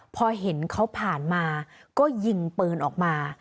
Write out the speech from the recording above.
พอเห็นเขาผ่านมาก็ยิงปืนออกมา